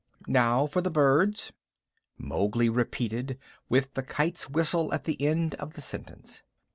Now for the birds." Mowgli repeated, with the Kite's whistle at the end of the sentence.